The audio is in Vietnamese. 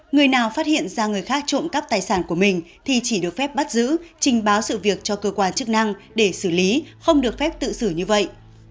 người nào phát hiện ra người khác trộm cắp tài sản của mình thì chỉ được phép bắt giữ trình báo sự việc cho cơ quan chức năng để xử lý không được phép tự xử như vậy